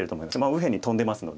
右辺にトンでますので。